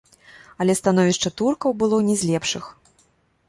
Але становішча туркаў было не з лепшых.